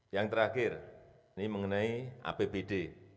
yang terakhir ini mengenai apbd